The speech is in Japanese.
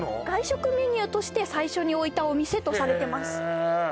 外食メニューとして最初に置いたお店とされてますへえ